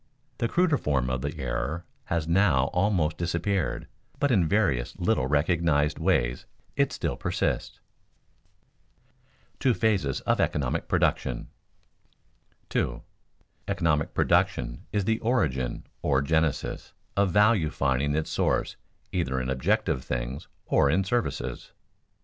The cruder form of the error has now almost disappeared, but in various little recognized ways it still persists. [Sidenote: Two phases of economic production] 2. _Economic production is the origin, or genesis, of value finding its source either in objective things or in services.